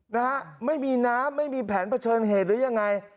นะฮะไม่มีน้ำไม่มีแผนเผชิญเหตุหรือยังไง